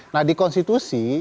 nah di konstitusi